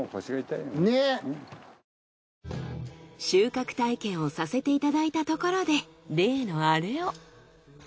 収穫体験をさせていただいたところで例のアレを。